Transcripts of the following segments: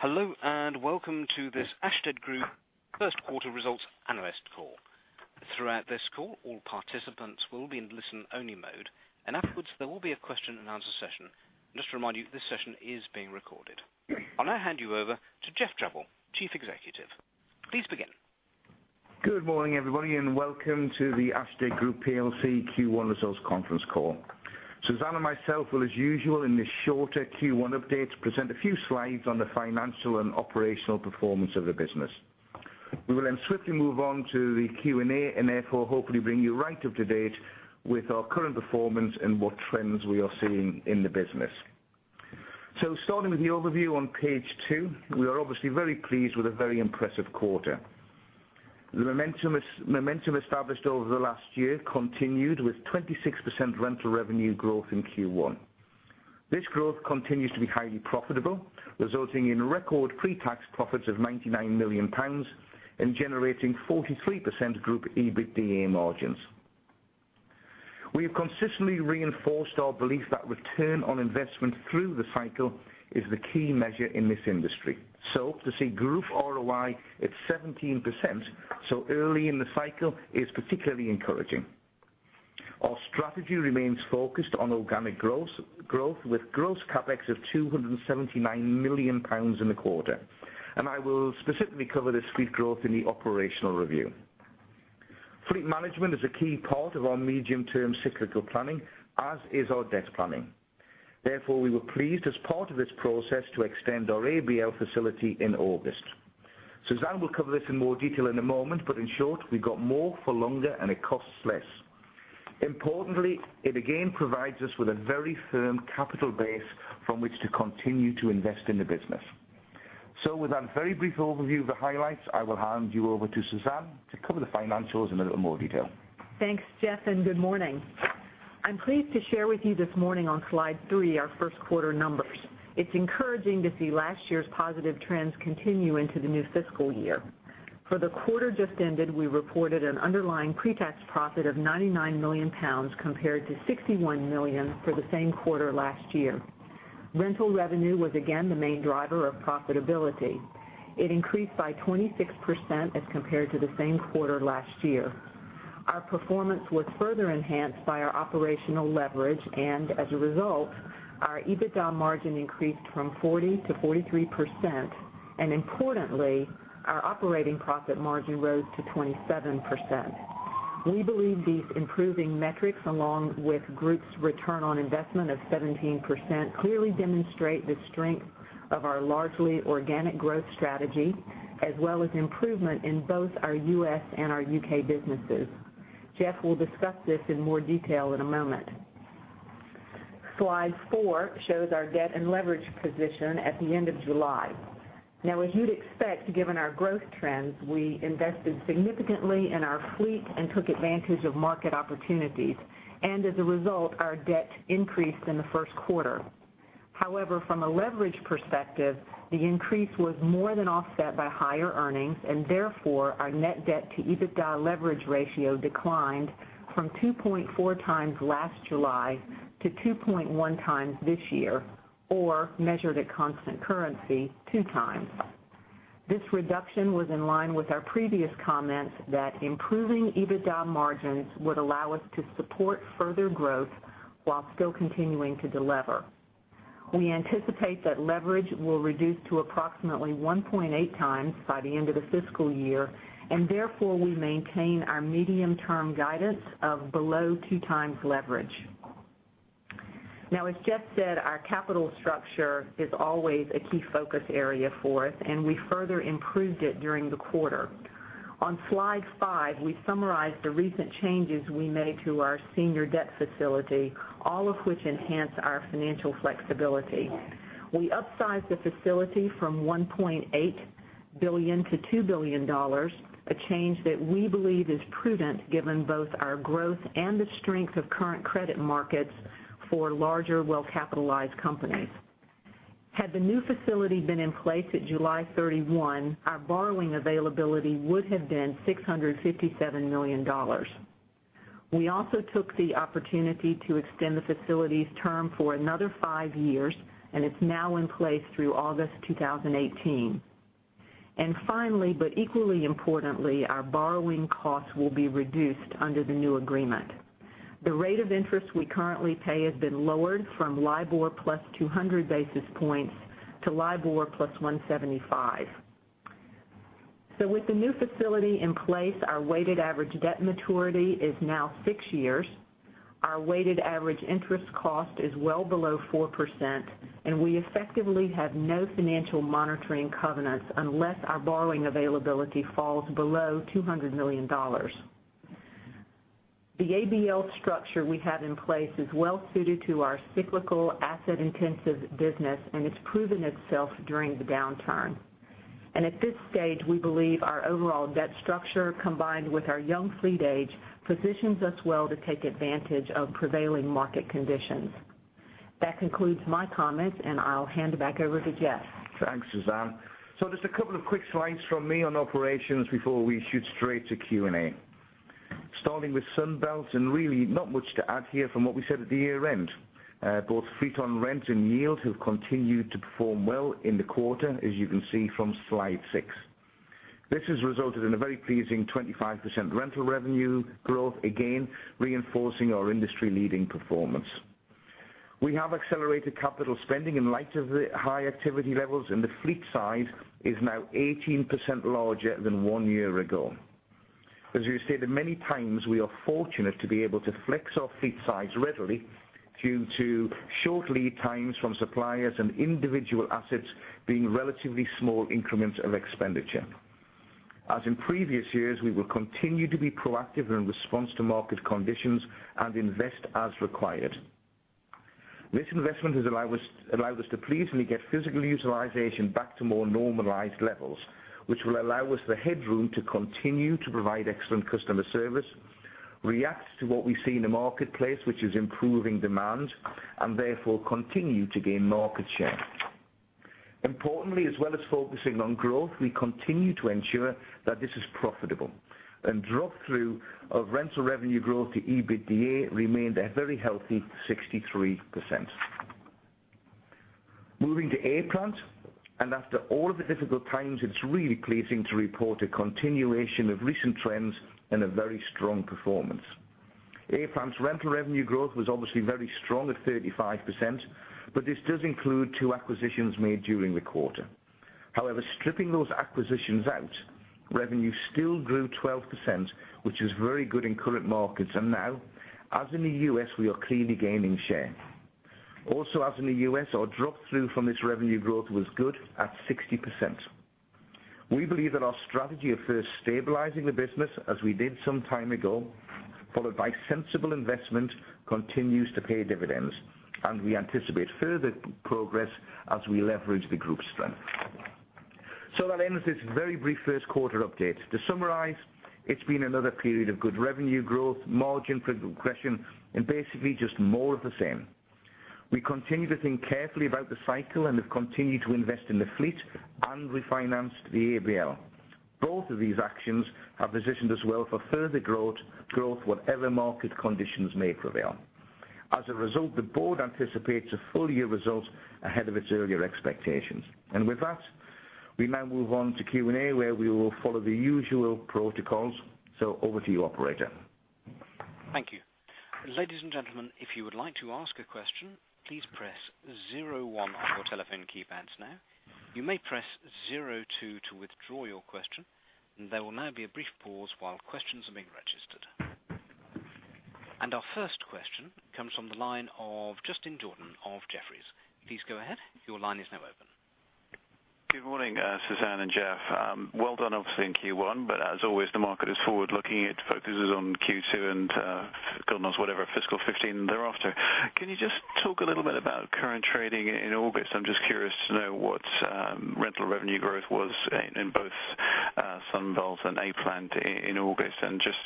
Hello, and welcome to this Ashtead Group first quarter results analyst call. Throughout this call, all participants will be in listen-only mode, and afterwards, there will be a question and answer session. Just to remind you, this session is being recorded. I will now hand you over to Geoff Drabble, Chief Executive. Please begin. Good morning, everybody, and welcome to the Ashtead Group PLC Q1 results conference call. Suzanne and myself will as usual in this shorter Q1 update, present a few slides on the financial and operational performance of the business. We will then swiftly move on to the Q&A and therefore hopefully bring you right up to date with our current performance and what trends we are seeing in the business. Starting with the overview on page two, we are obviously very pleased with a very impressive quarter. The momentum established over the last year continued with 26% rental revenue growth in Q1. This growth continues to be highly profitable, resulting in record pre-tax profits of 99 million pounds and generating 43% group EBITDA margins. We have consistently reinforced our belief that return on investment through the cycle is the key measure in this industry. To see group ROI at 17% so early in the cycle is particularly encouraging. Our strategy remains focused on organic growth, with gross CapEx of 279 million pounds in the quarter, and I will specifically cover this fleet growth in the operational review. Fleet Management is a key part of our medium-term cyclical planning, as is our debt planning. Therefore, we were pleased as part of this process to extend our ABL facility in August. Suzanne will cover this in more detail in a moment, but in short, we got more for longer, and it costs less. Importantly, it again provides us with a very firm capital base from which to continue to invest in the business. With that very brief overview of the highlights, I will hand you over to Suzanne to cover the financials in a little more detail. Thanks, Geoff, and good morning. I am pleased to share with you this morning on slide three our first quarter numbers. It is encouraging to see last year's positive trends continue into the new fiscal year. For the quarter just ended, we reported an underlying pre-tax profit of 99 million pounds compared to 61 million for the same quarter last year. Rental revenue was again the main driver of profitability. It increased by 26% as compared to the same quarter last year. Our performance was further enhanced by our operational leverage, and as a result, our EBITDA margin increased from 40%-43%, and importantly, our operating profit margin rose to 27%. We believe these improving metrics, along with group's return on investment of 17%, clearly demonstrate the strength of our largely organic growth strategy, as well as improvement in both our U.S. and our U.K. businesses. Geoff will discuss this in more detail in a moment. slide four shows our debt and leverage position at the end of July. As you'd expect, given our growth trends, we invested significantly in our fleet and took advantage of market opportunities. As a result, our debt increased in the first quarter. From a leverage perspective, the increase was more than offset by higher earnings. Therefore, our net debt to EBITDA leverage ratio declined from 2.4 times last July to 2.1 times this year or measured at constant currency 2 times. This reduction was in line with our previous comments that improving EBITDA margins would allow us to support further growth while still continuing to delever. We anticipate that leverage will reduce to approximately 1.8 times by the end of the fiscal year. Therefore, we maintain our medium-term guidance of below 2 times leverage. As Geoff said, our capital structure is always a key focus area for us, and we further improved it during the quarter. On slide five, we summarized the recent changes we made to our senior debt facility, all of which enhance our financial flexibility. We upsized the facility from $1.8 billion to $2 billion, a change that we believe is prudent given both our growth and the strength of current credit markets for larger, well-capitalized companies. Had the new facility been in place at July 31, our borrowing availability would have been $657 million. We also took the opportunity to extend the facility's term for another five years, and it is now in place through August 2018. Finally, but equally importantly, our borrowing costs will be reduced under the new agreement. The rate of interest we currently pay has been lowered from LIBOR plus 200 basis points to LIBOR plus 175 basis points. With the new facility in place, our weighted average debt maturity is now six years. Our weighted average interest cost is well below 4%, and we effectively have no financial monitoring covenants unless our borrowing availability falls below $200 million. The ABL structure we have in place is well suited to our cyclical asset-intensive business, and it has proven itself during the downturn. At this stage, we believe our overall debt structure, combined with our young fleet age, positions us well to take advantage of prevailing market conditions. That concludes my comments, and I will hand it back over to Geoff. Thanks, Suzanne. Just a couple of quick slides from me on operations before we shoot straight to Q&A. Starting with Sunbelt, really not much to add here from what we said at the year-end. Both fleet on rent and yield have continued to perform well in the quarter, as you can see from slide six. This has resulted in a very pleasing 25% rental revenue growth, again, reinforcing our industry-leading performance. We have accelerated capital spending in light of the high activity levels, and the fleet size is now 18% larger than one year ago. As we have stated many times, we are fortunate to be able to flex our fleet size readily due to short lead times from suppliers and individual assets being relatively small increments of expenditure. As in previous years, we will continue to be proactive in response to market conditions and invest as required. This investment has allowed us to pleasingly get physical utilization back to more normalized levels, which will allow us the headroom to continue to provide excellent customer service, react to what we see in the marketplace, which is improving demand, and therefore continue to gain market share. Importantly, as well as focusing on growth, we continue to ensure that this is profitable. Drop-through of rental revenue growth to EBITDA remained a very healthy 63%. Moving to A-Plant, after all of the difficult times, it's really pleasing to report a continuation of recent trends and a very strong performance. A-Plant's rental revenue growth was obviously very strong at 35%, but this does include two acquisitions made during the quarter. However, stripping those acquisitions out, revenue still grew 12%, which is very good in current markets. Now, as in the U.S., we are clearly gaining share. Also as in the U.S., our drop-through from this revenue growth was good at 60%. We believe that our strategy of first stabilizing the business, as we did some time ago, followed by sensible investment, continues to pay dividends, and we anticipate further progress as we leverage the group's strength. That ends this very brief first quarter update. To summarize, it's been another period of good revenue growth, margin progression, and basically just more of the same. We continue to think carefully about the cycle and have continued to invest in the fleet and refinance the ABL. Both of these actions have positioned us well for further growth, whatever market conditions may prevail. As a result, the board anticipates a full-year result ahead of its earlier expectations. With that, we now move on to Q&A, where we will follow the usual protocols. Over to you, operator. Thank you. Ladies and gentlemen, if you would like to ask a question, please press zero one on your telephone keypads now. You may press zero two to withdraw your question, and there will now be a brief pause while questions are being registered. Our first question comes from the line of Justin Jordan of Jefferies. Please go ahead. Your line is now open. Good morning, Suzanne and Geoff. Well done, obviously, in Q1, as always, the market is forward-looking. It focuses on Q2 and God knows whatever fiscal 2015 thereafter. Can you just talk a little bit about current trading in August? I'm just curious to know what rental revenue growth was in both Sunbelt and A-Plant in August, and just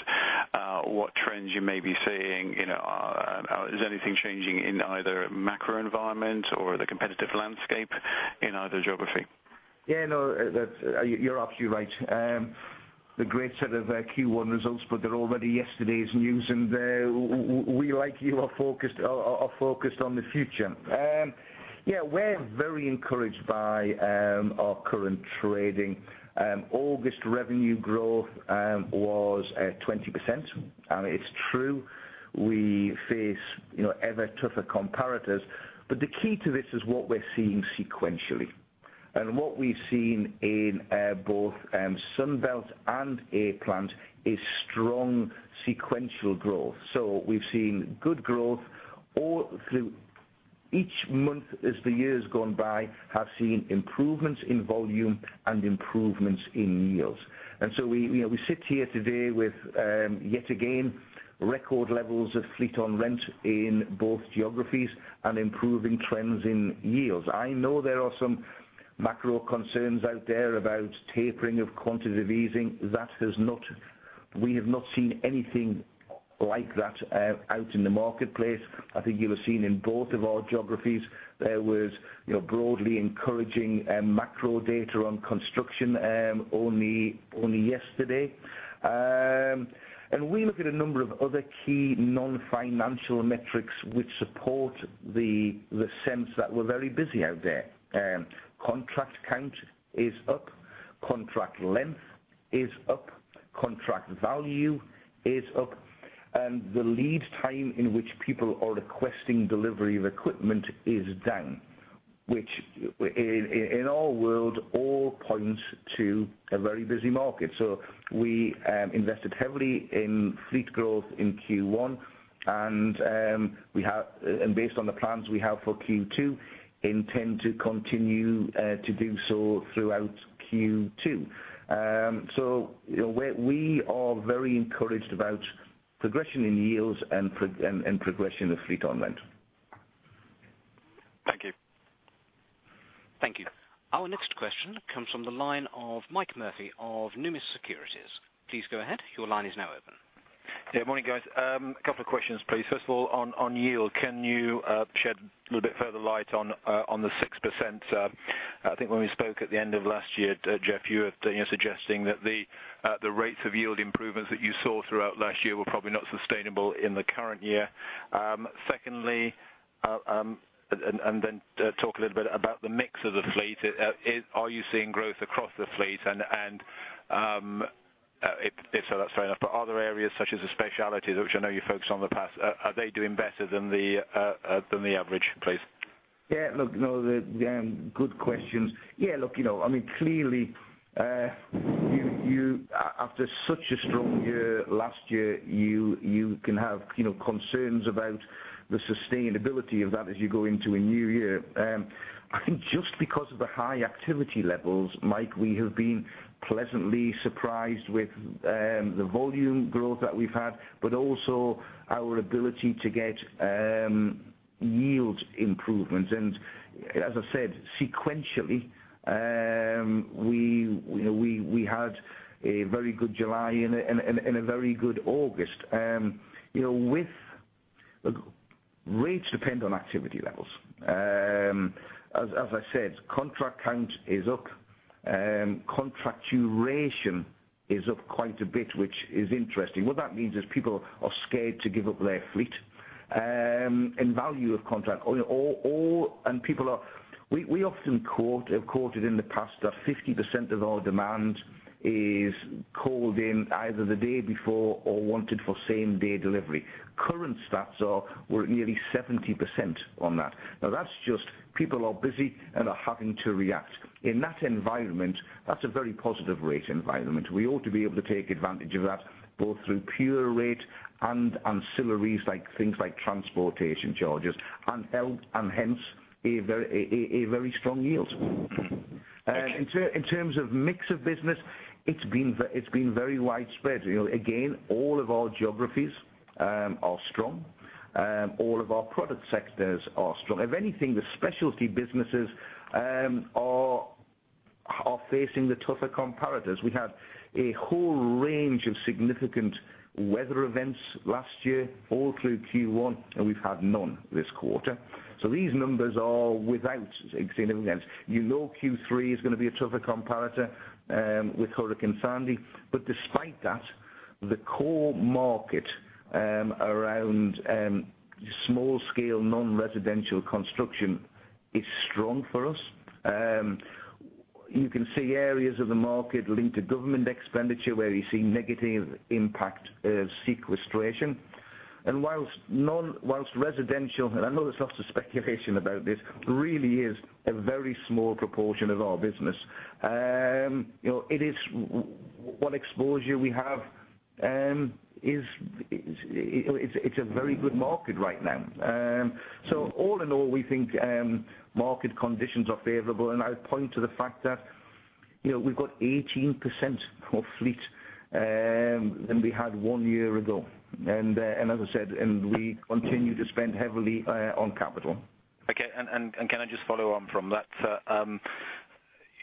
what trends you may be seeing. Is anything changing in either macro environment or the competitive landscape in either geography? You're absolutely right. The great set of Q1 results, but they're already yesterday's news, and we, like you, are focused on the future. We're very encouraged by our current trading. August revenue growth was at 20%. It's true, we face ever tougher comparators. The key to this is what we're seeing sequentially. What we've seen in both Sunbelt and A-Plant is strong sequential growth. We've seen good growth all through each month as the year has gone by, have seen improvements in volume and improvements in yields. We sit here today with, yet again, record levels of fleet on rent in both geographies and improving trends in yields. I know there are some macro concerns out there about tapering of quantitative easing. We have not seen anything like that out in the marketplace. I think you have seen in both of our geographies, there was broadly encouraging macro data on construction only yesterday. We look at a number of other key non-financial metrics which support the sense that we're very busy out there. Contract count is up, contract length is up, contract value is up, and the lead time in which people are requesting delivery of equipment is down, which in our world all points to a very busy market. We invested heavily in fleet growth in Q1, and based on the plans we have for Q2, intend to continue to do so throughout Q2. We are very encouraged about progression in yields and progression of fleet on rent. Thank you. Thank you. Our next question comes from the line of Mike Murphy of Numis Securities. Please go ahead. Your line is now open. Yeah, morning, guys. A couple of questions, please. First of all, on yield. Can you shed a little bit further light on the 6%? I think when we spoke at the end of last year, Geoff, you were suggesting that the rates of yield improvements that you saw throughout last year were probably not sustainable in the current year. Secondly, talk a little bit about the mix of the fleet. If so, that's fair enough. Other areas such as the specialty, which I know you focused on in the past, are they doing better than the average, please? Yeah. Look, no, they are good questions. Yeah, look, clearly, after such a strong year last year, you can have concerns about the sustainability of that as you go into a new year. I think just because of the high activity levels, Mike, we have been pleasantly surprised with the volume growth that we've had, but also our ability to get yield improvements. As I said, sequentially, we had a very good July and a very good August. With rates depend on activity levels. As I said, contract count is up. Contract duration is up quite a bit, which is interesting. What that means is people are scared to give up their fleet. In value of contract. We often quoted in the past that 50% of all demand is called in either the day before or wanted for same-day delivery. Current stats are we're at nearly 70% on that. That's just people are busy and are having to react. In that environment, that's a very positive rate environment. We ought to be able to take advantage of that both through pure rate and ancillaries like things like transportation charges, hence, a very strong yield. Thank you. In terms of mix of business, it's been very widespread. Again, all of our geographies are strong. All of our product sectors are strong. If anything, the specialty businesses are facing the tougher comparators. We had a whole range of significant weather events last year, all through Q1, and we've had none this quarter. These numbers are without extreme events. You know Q3 is going to be a tougher comparator with Hurricane Sandy. Despite that, the core market around small scale non-residential construction is strong for us. You can see areas of the market linked to government expenditure, where you see negative impact of sequestration. Whilst residential, and I know there's lots of speculation about this, really is a very small proportion of our business. What exposure we have, it's a very good market right now. All in all, we think market conditions are favorable, and I would point to the fact that we've got 18% more fleet than we had one year ago. As I said, and we continue to spend heavily on capital. Okay. Can I just follow on from that?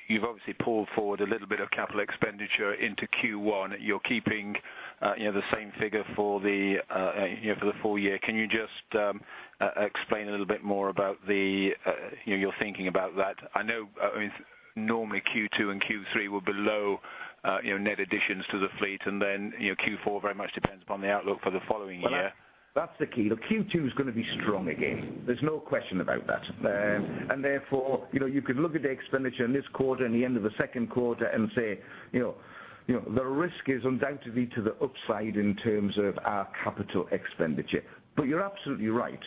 You've obviously pulled forward a little bit of capital expenditure into Q1. You're keeping the same figure for the full year. Can you just explain a little bit more about your thinking about that? I know normally Q2 and Q3 were below net additions to the fleet. Q4 very much depends upon the outlook for the following year. Well, that's the key. Look, Q2 is going to be strong again. There's no question about that. Therefore, you could look at the expenditure in this quarter and the end of the second quarter and say, the risk is undoubtedly to the upside in terms of our capital expenditure. You're absolutely right.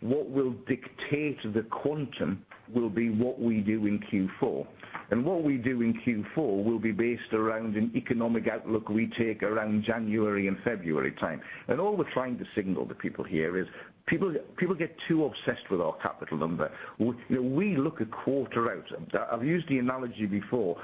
What will dictate the quantum will be what we do in Q4. What we do in Q4 will be based around an economic outlook we take around January and February time. All we're trying to signal to people here is people get too obsessed with our capital number. We look a quarter out. I've used the analogy before.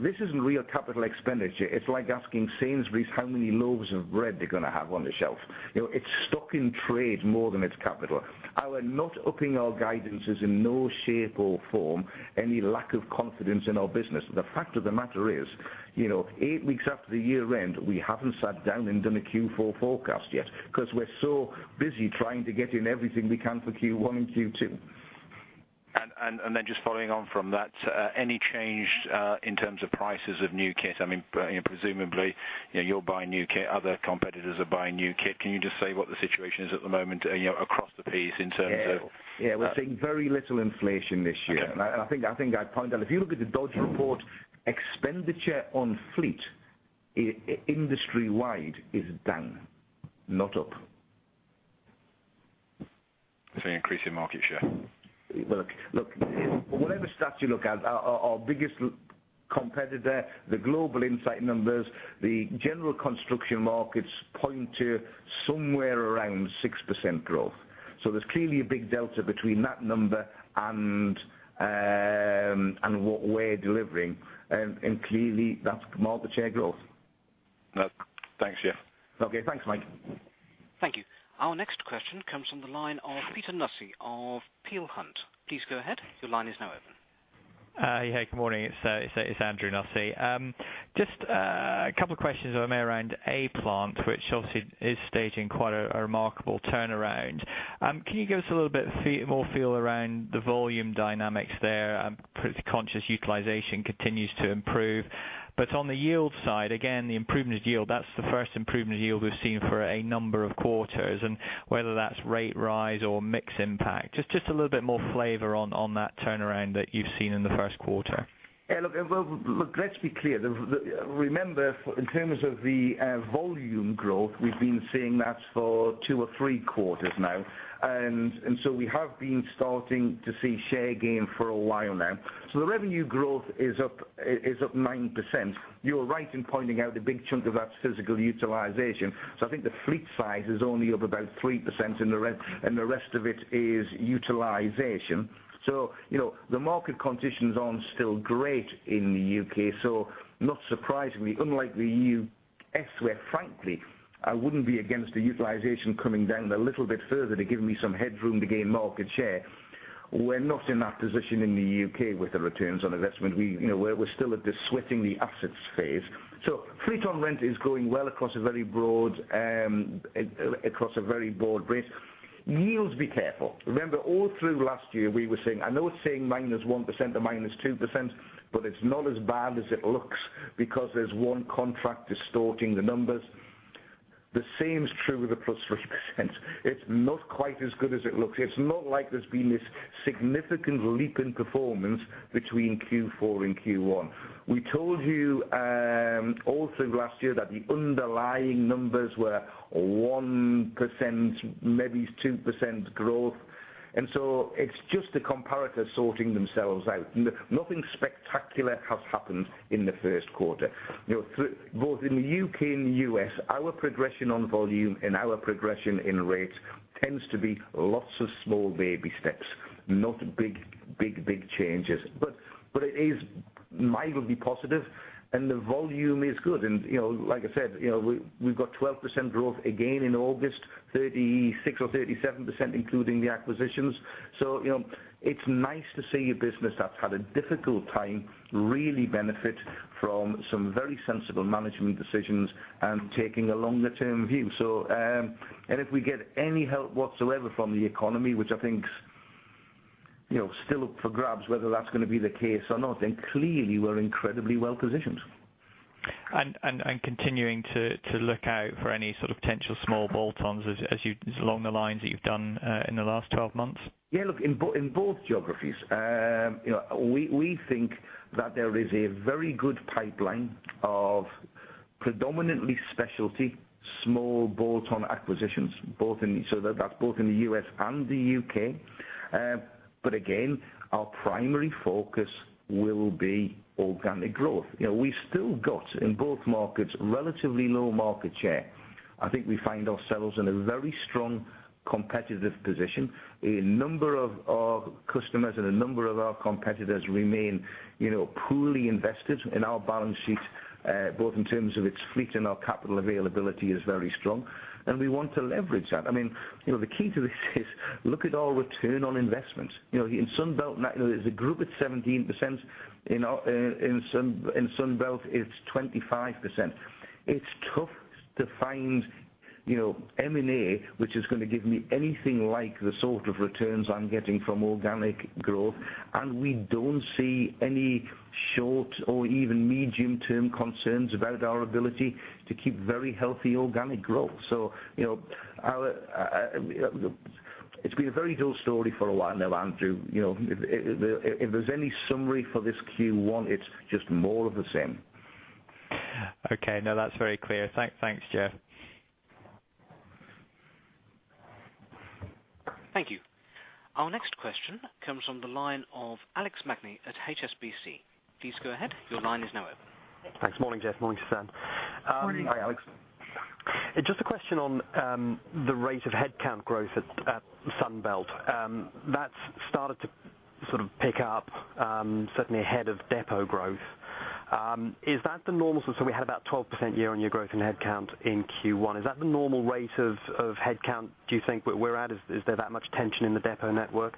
This isn't real capital expenditure. It's like asking Sainsbury's how many loaves of bread they're going to have on the shelf. It's stock in trade more than it's capital. Our not upping our guidance is in no shape or form any lack of confidence in our business. The fact of the matter is, eight weeks after the year end, we haven't sat down and done a Q4 forecast yet because we're so busy trying to get in everything we can for Q1 and Q2. Just following on from that, any change in terms of prices of new kit? Presumably, you're buying new kit, other competitors are buying new kit. Can you just say what the situation is at the moment across the piece in terms of? Yeah. We're seeing very little inflation this year. Okay. I think I point out, if you look at the Dodge Report, expenditure on fleet industry-wide is down, not up. You're increasing market share. Look, whatever stats you look at, our biggest competitor, the Global Insight numbers, the general construction markets point to somewhere around 6% growth. There's clearly a big delta between that number and what we're delivering. Clearly, that's market share growth. Thanks, yeah. Okay. Thanks, Mike. Thank you. Our next question comes from the line of Andrew Nussey of Peel Hunt. Please go ahead. Your line is now open. Hey, good morning. It's Andrew Nussey. Just a couple of questions, if I may, around A-Plant, which obviously is staging quite a remarkable turnaround. Can you give us a little bit more feel around the volume dynamics there? I'm conscious utilization continues to improve. On the yield side, again, the improvement yield, that's the first improvement yield we've seen for a number of quarters, and whether that's rate rise or mix impact, just a little bit more flavor on that turnaround that you've seen in the first quarter. Look, let's be clear. Remember, in terms of the volume growth, we've been seeing that for two or three quarters now. We have been starting to see share gain for a while now. The revenue growth is up 9%. You're right in pointing out the big chunk of that's physical utilization. I think the fleet size is only up about 3%, and the rest of it is utilization. The market conditions aren't still great in the U.K. Not surprisingly, unlike the U.S. where frankly, I wouldn't be against the utilization coming down a little bit further to give me some headroom to gain market share. We're not in that position in the U.K. with the returns on investment. We're still at this sweating the assets phase. Fleet on rent is going well across a very broad base. Yields, be careful. Remember, all through last year we were saying, I know we're saying -1% to -2%, but it's not as bad as it looks because there's one contract distorting the numbers. The same is true with the +3%. It's not quite as good as it looks. It's not like there's been this significant leap in performance between Q4 and Q1. We told you all through last year that the underlying numbers were 1%, maybe 2% growth. It's just the comparators sorting themselves out. Nothing spectacular has happened in the first quarter. Both in the U.K. and the U.S., our progression on volume and our progression in rates tends to be lots of small baby steps, not big changes. It is mildly positive, and the volume is good. Like I said, we've got 12% growth again in August, 36% or 37% including the acquisitions. It's nice to see a business that's had a difficult time really benefit from some very sensible management decisions and taking a longer-term view. If we get any help whatsoever from the economy, which I think still up for grabs whether that's going to be the case or not, then clearly we're incredibly well-positioned. Continuing to look out for any sort of potential small bolt-ons as along the lines that you've done in the last 12 months? Yeah. Look, in both geographies. We think that there is a very good pipeline of predominantly specialty small bolt-on acquisitions. That's both in the U.S. and the U.K. Again, our primary focus will be organic growth. We still got, in both markets, relatively low market share. I think we find ourselves in a very strong competitive position. A number of our customers and a number of our competitors remain poorly invested in our balance sheet, both in terms of its fleet and our capital availability is very strong, and we want to leverage that. The key to this is look at our ROI. In Sunbelt, there's a group at 17%, in Sunbelt it's 25%. It's tough to find M&A which is going to give me anything like the sort of returns I'm getting from organic growth, and we don't see any short or even medium-term concerns about our ability to keep very healthy organic growth. It's been a very dull story for a while now, Andrew. If there's any summary for this Q1, it's just more of the same. Okay. No, that's very clear. Thanks, Geoff. Thank you. Our next question comes from the line of Alex Magni at HSBC. Please go ahead. Your line is now open. Thanks. Morning, Geoff. Morning, Suzanne. Morning. Hi, Alex. Just a question on the rate of headcount growth at Sunbelt. That's started to sort of pick up certainly ahead of depot growth. We had about 12% year-on-year growth in headcount in Q1. Is that the normal rate of headcount do you think we're at? Is there that much tension in the depot network?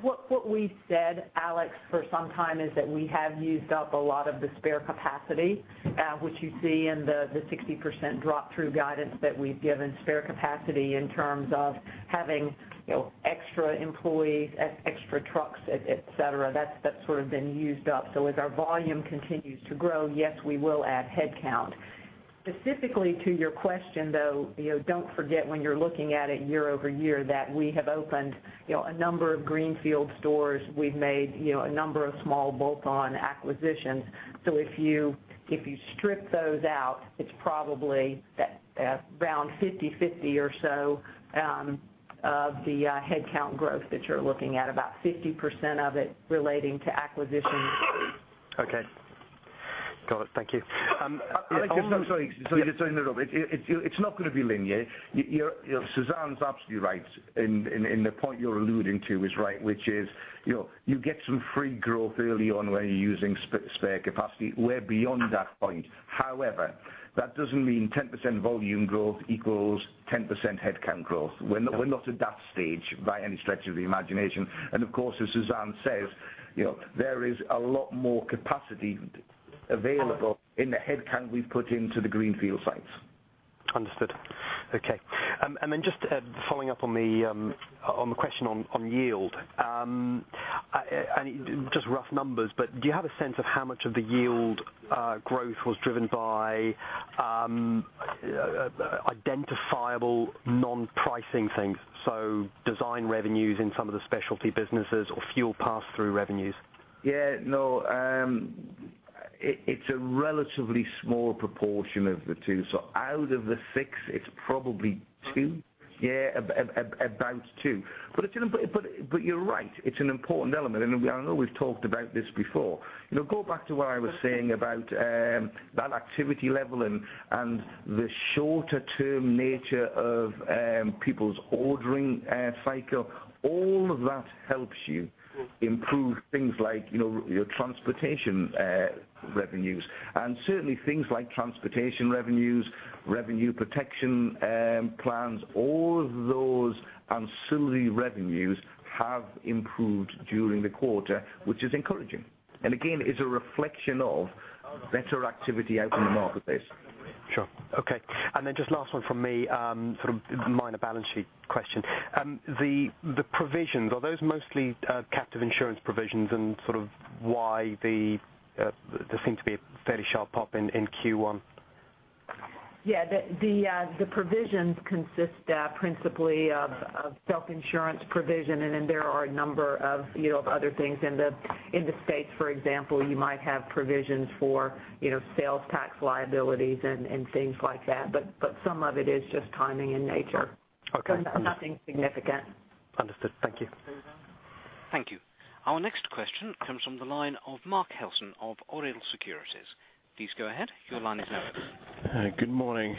What we said, Alex, for some time is that we have used up a lot of the spare capacity, which you see in the 60% drop through guidance that we've given spare capacity in terms of having extra employees, extra trucks, et cetera. That's sort of been used up. As our volume continues to grow, yes, we will add headcount. Specifically to your question, though, don't forget when you're looking at it year-over-year, that we have opened a number of greenfield stores. We've made a number of small bolt-on acquisitions. If you strip those out, it's probably around 50/50 or so of the headcount growth that you're looking at. About 50% of it relating to acquisitions. Okay. Got it. Thank you. Sorry to interrupt. It's not going to be linear. Suzanne's absolutely right, and the point you're alluding to is right, which is you get some free growth early on when you're using spare capacity. We're beyond that point. However, that doesn't mean 10% volume growth equals 10% headcount growth. We're not at that stage by any stretch of the imagination. Of course, as Suzanne says, there is a lot more capacity available in the headcount we've put into the greenfield sites. Understood. Okay. Then just following up on the question on yield. Just rough numbers, but do you have a sense of how much of the yield growth was driven by identifiable non-pricing things, so design revenues in some of the specialty businesses or fuel pass-through revenues? Yeah, no. It's a relatively small proportion of the two. Out of the six, it's probably two. Yeah, about two. You're right. It's an important element, and I know we've talked about this before. Go back to what I was saying about that activity level and the shorter-term nature of people's ordering cycle. All of that helps you improve things like your transportation revenues. Certainly, things like transportation revenues, revenue protection plans, all those ancillary revenues have improved during the quarter, which is encouraging. Again, is a reflection of better activity out in the marketplace. Sure. Okay. Then just last one from me, sort of minor balance sheet question. The provisions, are those mostly captive insurance provisions and sort of why there seem to be a fairly sharp pop in Q1? Yeah. The provisions consist principally of self-insurance provision, there are a number of other things. In the U.S., for example, you might have provisions for sales tax liabilities and things like that. Some of it is just timing in nature. Okay. Nothing significant. Understood. Thank you. You're welcome. Thank you. Our next question comes from the line of Mark Haddon of Oriel Securities. Please go ahead. Your line is now open. Good morning.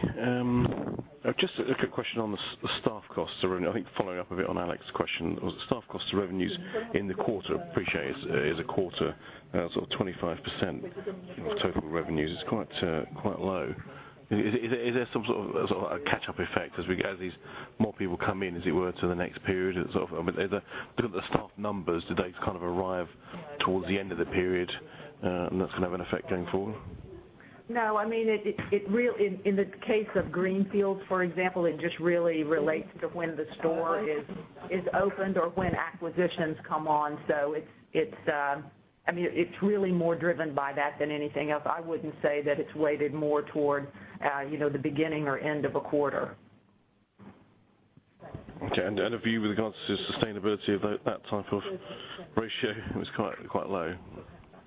Just a quick question on the staff costs. I think following up a bit on Alex's question. Was it staff cost to revenues in the quarter, appreciate it is a quarter, sort of 25% of total revenues? It's quite low. Is there some sort of a catch-up effect as these more people come in, as it were, to the next period? Sort of looking at the staff numbers, do they kind of arrive towards the end of the period, and that's going to have an effect going forward? No. In the case of Greenfields, for example, it just really relates to when the store is opened or when acquisitions come on. It's really more driven by that than anything else. I wouldn't say that it's weighted more toward the beginning or end of a quarter. Okay. A view with regards to sustainability of that type of ratio? It's quite low.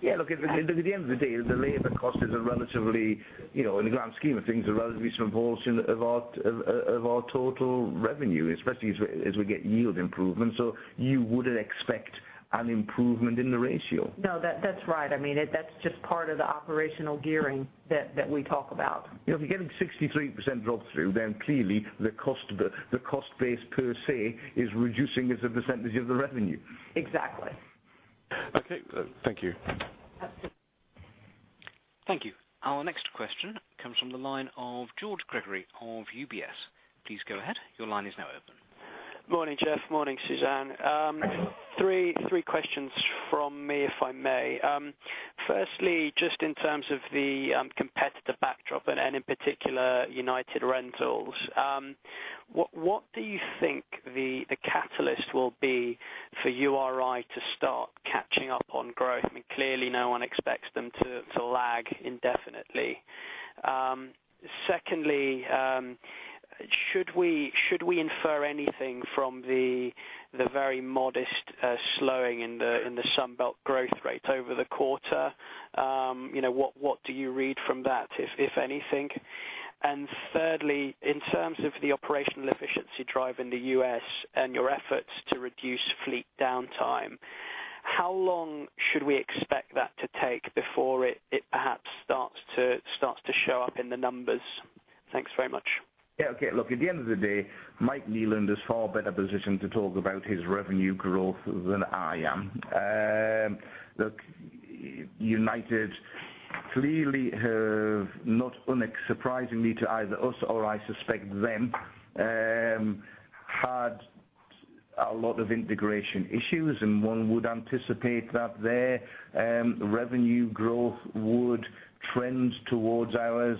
Yeah, look, at the end of the day, the labor cost is a relatively, in the grand scheme of things, a relatively small portion of our total revenue, especially as we get yield improvements. You wouldn't expect an improvement in the ratio. No. That's right. That's just part of the operational gearing that we talk about. If you're getting 63% drop-through, clearly the cost base per se is reducing as a percentage of the revenue. Exactly. Okay. Thank you. Thank you. Our next question comes from the line of Gregory Krikorian of UBS. Please go ahead. Your line is now open. Morning, Geoff. Morning, Suzanne. Three questions from me, if I may. Firstly, just in terms of the competitor backdrop, and in particular, United Rentals. What do you think the catalyst will be for URI to start catching up on growth? I mean, clearly no one expects them to lag indefinitely. Secondly, should we infer anything from the very modest slowing in the Sunbelt growth rate over the quarter? What do you read from that, if anything? Thirdly, in terms of the operational efficiency drive in the U.S. and your efforts to reduce fleet downtime, how long should we expect that to take before it perhaps starts to show up in the numbers? Thanks very much. Yeah. Okay. Look, at the end of the day, Mike Kneeland is far better positioned to talk about his revenue growth than I am. Look, United clearly have, not unsurprisingly to either us or I suspect them, had a lot of integration issues. One would anticipate that their revenue growth would trend towards ours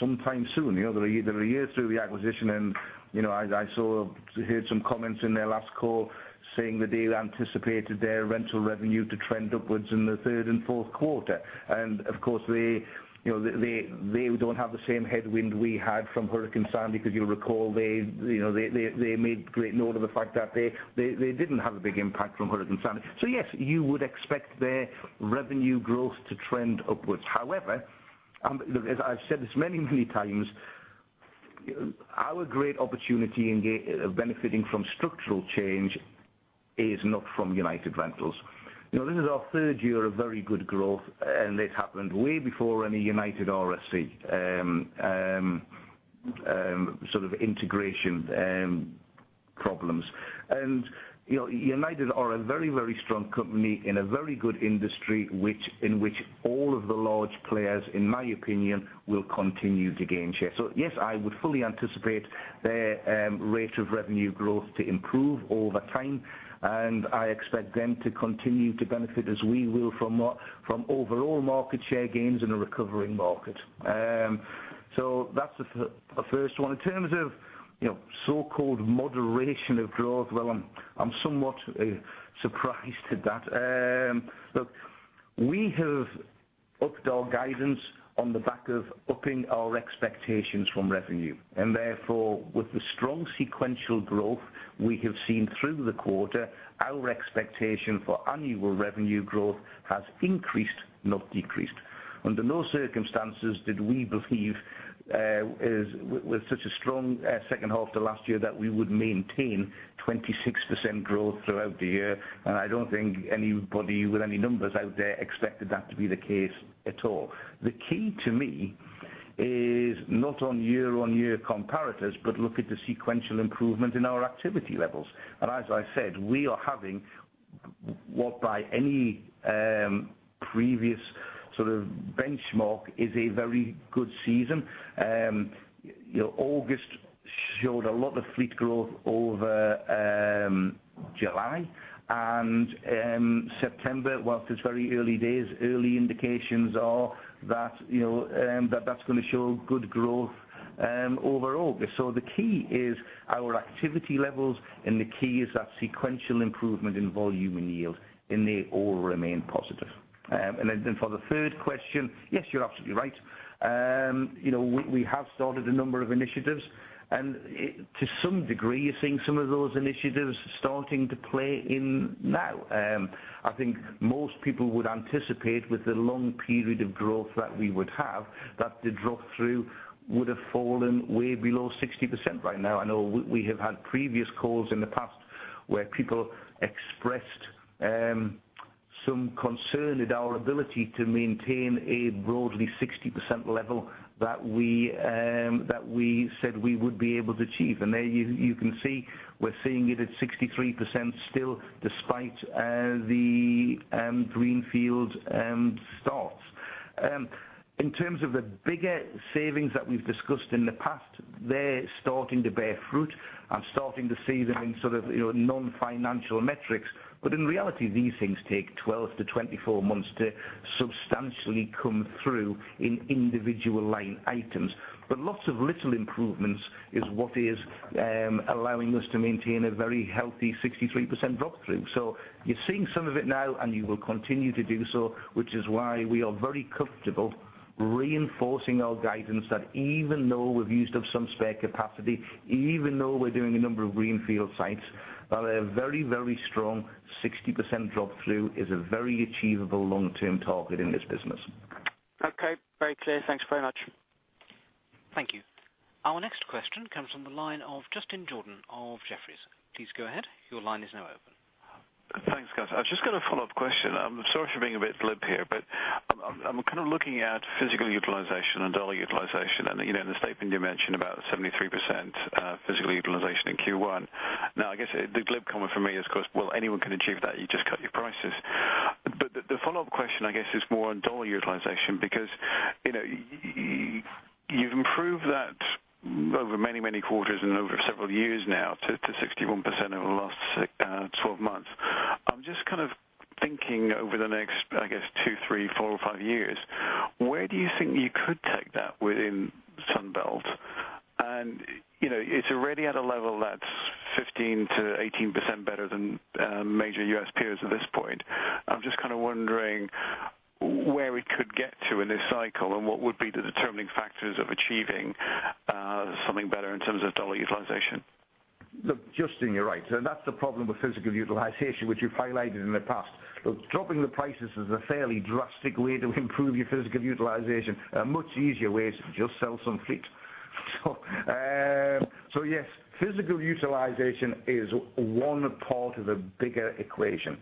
sometime soon. They're a year through the acquisition. I heard some comments in their last call saying that they anticipated their rental revenue to trend upwards in the third and fourth quarter. Of course, they don't have the same headwind we had from Hurricane Sandy because you'll recall they made great note of the fact that they didn't have a big impact from Hurricane Sandy. Yes, you would expect their revenue growth to trend upwards. However, as I've said this many, many times, our great opportunity in benefitting from structural change is not from United Rentals. This is our third year of very good growth, and it happened way before any United RSC sort of integration problems. United are a very, very strong company in a very good industry, in which all of the large players, in my opinion, will continue to gain share. Yes, I would fully anticipate their rate of revenue growth to improve over time, and I expect them to continue to benefit as we will from overall market share gains in a recovering market. That's the first one. In terms of so-called moderation of growth, well, I'm somewhat surprised at that. Look, we have upped our guidance on the back of upping our expectations from revenue. Therefore, with the strong sequential growth we have seen through the quarter, our expectation for annual revenue growth has increased, not decreased. Under no circumstances did we believe with such a strong second half to last year, that we would maintain 26% growth throughout the year. I don't think anybody with any numbers out there expected that to be the case at all. The key to me is not on year-on-year comparators, but look at the sequential improvement in our activity levels. As I said, we are having what by any previous sort of benchmark is a very good season. August showed a lot of fleet growth over July and September, whilst it's very early days, early indications are that's going to show good growth over August. The key is our activity levels, the key is that sequential improvement in volume and yield, they all remain positive. For the third question, yes, you're absolutely right. We have started a number of initiatives, to some degree, you're seeing some of those initiatives starting to play in now. I think most people would anticipate with the long period of growth that we would have, that the drop-through would have fallen way below 60% right now. I know we have had previous calls in the past where people expressed some concern at our ability to maintain a broadly 60% level that we said we would be able to achieve. There you can see we're seeing it at 63% still despite the greenfield starts. In terms of the bigger savings that we've discussed in the past, they're starting to bear fruit and starting to see them in non-financial metrics. In reality, these things take 12 to 24 months to substantially come through in individual line items. Lots of little improvements is what is allowing us to maintain a very healthy 63% drop-through. You're seeing some of it now and you will continue to do so, which is why we are very comfortable reinforcing our guidance that even though we've used up some spare capacity, even though we're doing a number of greenfield sites, that a very, very strong 60% drop-through is a very achievable long-term target in this business. Okay. Very clear. Thanks very much. Thank you. Our next question comes from the line of Justin Jordan of Jefferies. Please go ahead. Your line is now open. Thanks, guys. I've just got a follow-up question. I'm sorry for being a bit glib here, but I'm kind of looking at physical utilization and dollar utilization. In the statement you mentioned about 73% physical utilization in Q1. Now, I guess the glib comment for me is, of course, well, anyone can achieve that. You just cut your prices. The follow-up question, I guess, is more on dollar utilization, because you've improved that over many, many quarters and over several years now to 61% over the last 12 months. I'm just kind of thinking over the next, I guess, two, three, four or five years, where do you think you could take that within Sunbelt? It's already at a level that's 15%-18% better than major U.S. peers at this point. I'm just kind of wondering where it could get to in this cycle and what would be the determining factors of achieving something better in terms of dollar utilization. Look, Justin, you're right. That's the problem with physical utilization, which you've highlighted in the past. Look, dropping the prices is a fairly drastic way to improve your physical utilization. A much easier way is to just sell some fleet. Yes, physical utilization is one part of a bigger equation.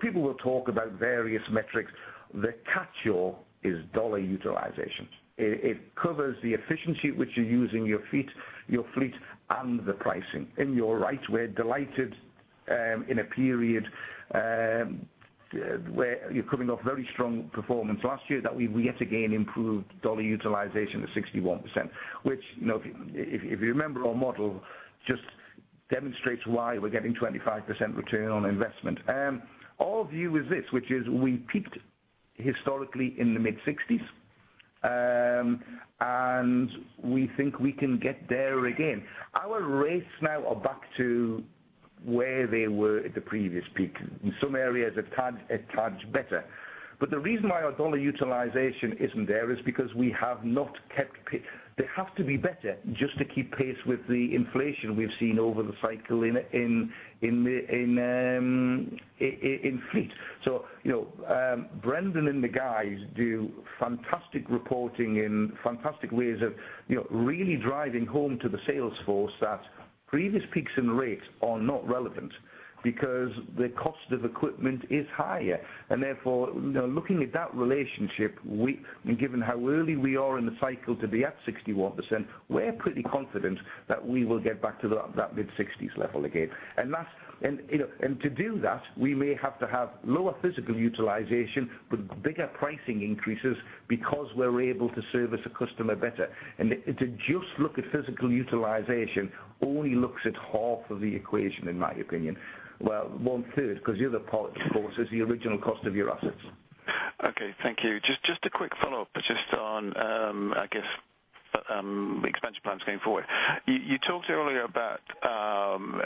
People will talk about various metrics. The catchall is dollar utilization. It covers the efficiency at which you're using your fleet and the pricing. You're right, we're delighted in a period where you're coming off very strong performance last year that we yet again improved dollar utilization to 61%, which if you remember our model, just demonstrates why we're getting 25% return on investment. Our view is this, which is we peaked historically in the mid-60s. We think we can get there again. Our rates now are back to where they were at the previous peak. In some areas, a touch better. The reason why our dollar utilization isn't there is because they have to be better just to keep pace with the inflation we've seen over the cycle in fleet. Brendan and the guys do fantastic reporting and fantastic ways of really driving home to the sales force that previous peaks and rates are not relevant because the cost of equipment is higher. Therefore, looking at that relationship, given how early we are in the cycle to be at 61%, we're pretty confident that we will get back to that mid-60s level again. To do that, we may have to have lower physical utilization, but bigger pricing increases because we're able to service a customer better. To just look at physical utilization only looks at half of the equation, in my opinion. Well, one third, because the other part, of course, is the original cost of your assets. Okay, thank you. Just a quick follow-up just on I guess expansion plans going forward. You talked earlier about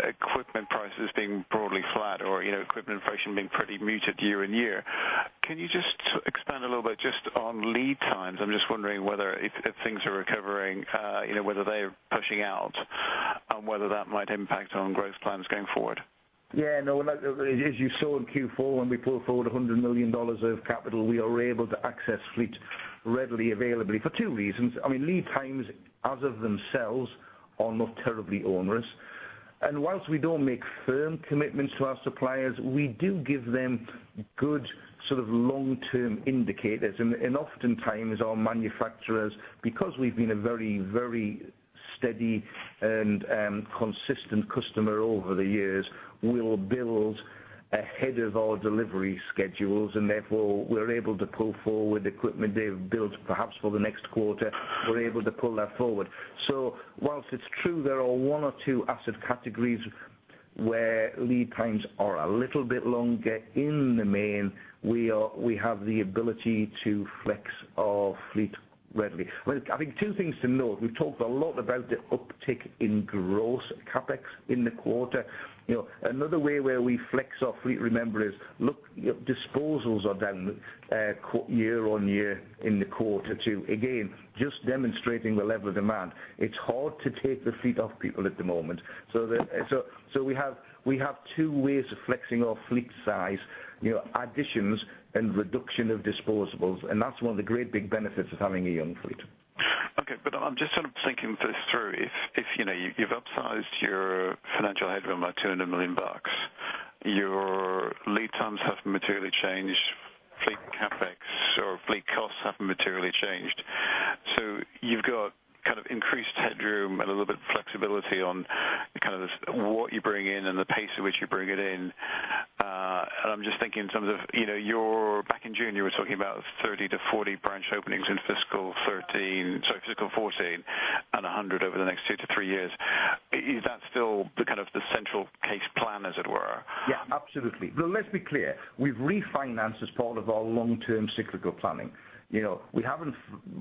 equipment prices being broadly flat or equipment inflation being pretty muted year-on-year. Can you just expand a little bit just on lead times? I'm just wondering whether, if things are recovering, whether they are pushing out and whether that might impact on growth plans going forward. Yeah, no. As you saw in Q4, when we pulled forward GBP 100 million of capital, we are able to access fleet readily available for two reasons. Lead times as of themselves are not terribly onerous. Whilst we don't make firm commitments to our suppliers, we do give them good long-term indicators. Oftentimes, our manufacturers, because we've been a very steady and consistent customer over the years, will build ahead of our delivery schedules, and therefore, we're able to pull forward equipment they've built perhaps for the next quarter. We're able to pull that forward. Whilst it's true there are one or two asset categories where lead times are a little bit longer, in the main, we have the ability to flex our fleet readily. I think two things to note. We've talked a lot about the uptick in gross CapEx in the quarter. Another way where we flex our fleet, remember, is disposals are down year-on-year in the quarter, too. Again, just demonstrating the level of demand. It's hard to take the fleet off people at the moment. We have two ways of flexing our fleet size, additions and reduction of disposals, and that's one of the great big benefits of having a young fleet. Okay. I'm just thinking this through. If you've upsized your financial headroom by $200 million, your lead times haven't materially changed, fleet CapEx or fleet costs haven't materially changed. You've got increased headroom and a little bit of flexibility on what you bring in and the pace at which you bring it in. I'm just thinking in terms of back in June, you were talking about 30-40 branch openings in fiscal 2014 and 100 over the next 2-3 years. Is that still the central case plan, as it were? Yes, absolutely. Let's be clear. We've refinanced as part of our long-term cyclical planning. We haven't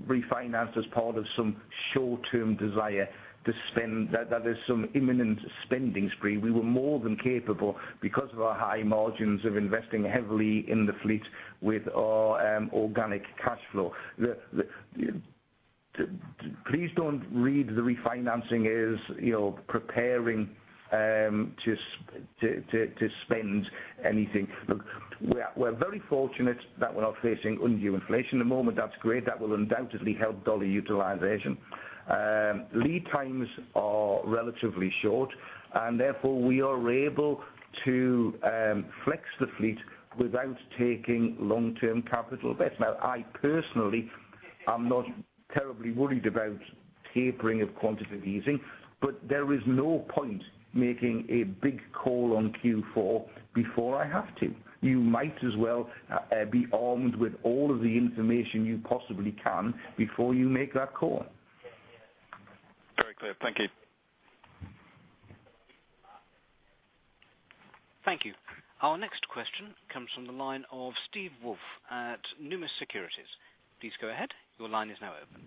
refinanced as part of some short-term desire to spend, that there's some imminent spending spree. We were more than capable, because of our high margins, of investing heavily in the fleet with our organic cash flow. Please don't read the refinancing as preparing to spend anything. Look, we're very fortunate that we're not facing undue inflation at the moment. That's great. That will undoubtedly help dollar utilization. Lead times are relatively short, and therefore, we are able to flex the fleet without taking long-term capital bets. I personally am not terribly worried about tapering of quantitative easing. There is no point making a big call on Q4 before I have to. You might as well be armed with all of the information you possibly can before you make that call. Very clear. Thank you. Thank you. Our next question comes from the line of Steve Woolf at Numis Securities. Please go ahead. Your line is now open.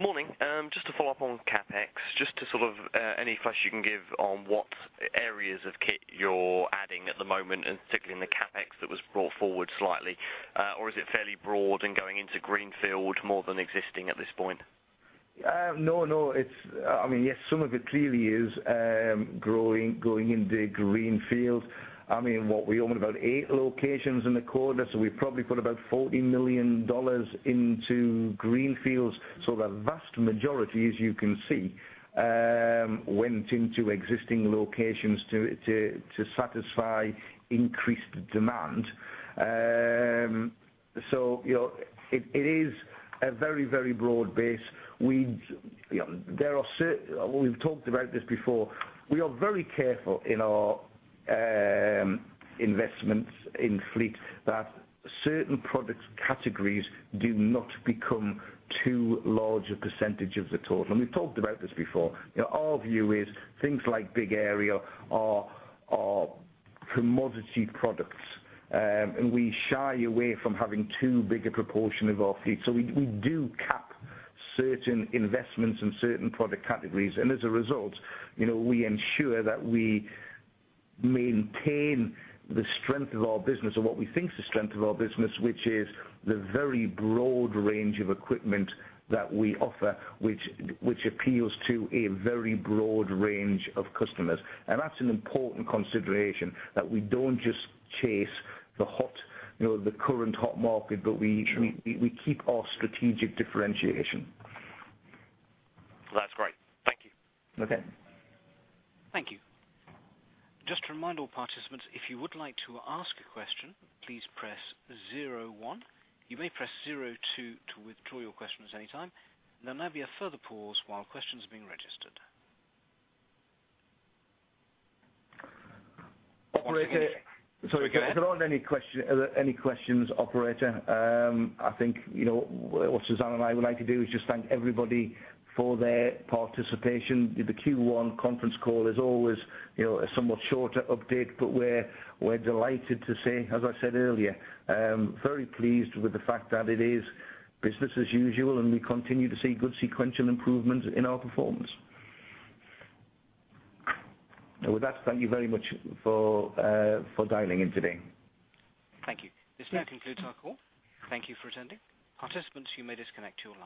Morning. Just to follow up on CapEx, just to sort of any flesh you can give on what areas of kit you're adding at the moment, and particularly in the CapEx that was brought forward slightly. Or is it fairly broad and going into greenfield more than existing at this point? No. Yes, some of it clearly is going into greenfield. We opened about eight locations in the quarter, so we probably put about GBP 40 million into greenfields. The vast majority, as you can see, went into existing locations to satisfy increased demand. It is a very broad base. We've talked about this before. We are very careful in our investments in fleet that certain product categories do not become too large a % of the total, and we've talked about this before. Our view is things like big aerial are commodity products, and we shy away from having too big a proportion of our fleet. We do cap certain investments in certain product categories. As a result, we ensure that we maintain the strength of our business or what we think is the strength of our business, which is the very broad range of equipment that we offer, which appeals to a very broad range of customers. That's an important consideration, that we don't just chase the current hot market, but we- Sure keep our strategic differentiation. That's great. Thank you. Okay. Thank you. Just to remind all participants, if you would like to ask a question, please press zero one. You may press zero two to withdraw your question at any time. There may be a further pause while questions are being registered. Operator. Go ahead. If there aren't any questions, operator, I think what Suzanne and I would like to do is just thank everybody for their participation. The Q1 conference call is always a somewhat shorter update, but we're delighted to say, as I said earlier, very pleased with the fact that it is business as usual, and we continue to see good sequential improvements in our performance. With that, thank you very much for dialing in today. Thank you. This now concludes our call. Thank you for attending. Participants, you may disconnect your lines.